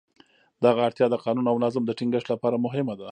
دغه اړتیا د قانون او نظم د ټینګښت لپاره مهمه ده.